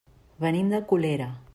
Venim de Colera.